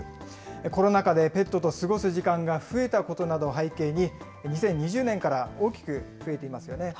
コロナ禍でペットと過ごす時間が増えたことなどを背景に、２０２０年から大きく増えていますよね。